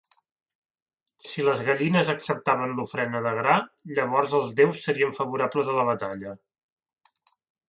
Si les gallines acceptaven l'ofrena de gra, llavors els déus serien favorables a la batalla.